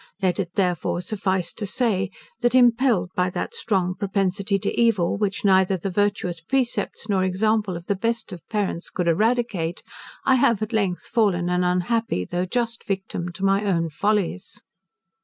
Let it therefore suffice to say, that impelled by that strong propensity to evil, which neither the virtuous precepts nor example of the best of parents could eradicate, I have at length fallen an unhappy, though just, victim to my own follies.